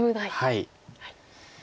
はい。